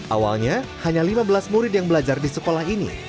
awalnya hanya lima belas murid yang belajar di sekolah ini